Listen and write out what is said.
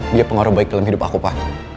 dia pengaruh baik dalam hidup aku pak